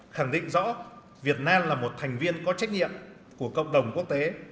khẳng định rõ việt nam là một thành viên có trách nhiệm của cộng đồng quốc tế